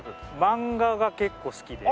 漫画が結構好きで。